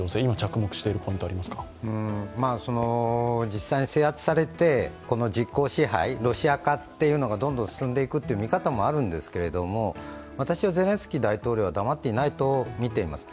実際に制圧されて、実効支配ロシア化というのがどんどん進んでいくという見方もあるんですけれども私はゼレンスキー大統領は黙っていないとみています。